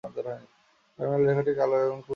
Terminal রেখাটি কালো এবং খুব সরু।